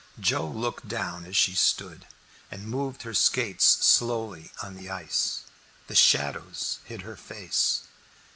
Joe looked down as she stood, and moved her skates slowly on the ice; the shadows hid her face.